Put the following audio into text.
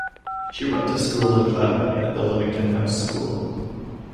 She went to school in Clapham at the Lymington House School.